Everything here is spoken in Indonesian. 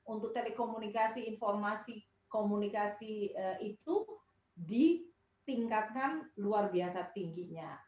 untuk telekomunikasi informasi komunikasi itu ditingkatkan luar biasa tingginya